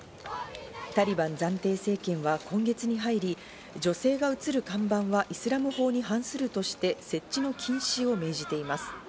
タリバン暫定政権は今月に入り、女性が写る看板はイスラム法に反するとして、設置の禁止を免じています。